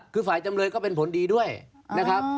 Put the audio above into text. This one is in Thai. คือฝ่ายจำเลยก็เป็นผลดีด้วยนะครับ